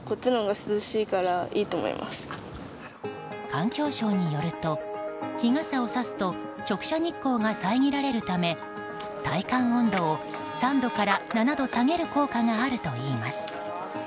環境省によると日傘をさすと直射日光が遮られるため体感温度を３度から７度下げる効果があるといいます。